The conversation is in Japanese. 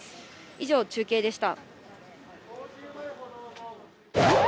以上、中継でした。